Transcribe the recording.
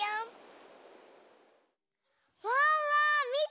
ワンワンみて！